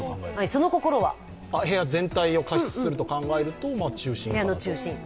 部屋全体を加湿すると考えると、中心かなと。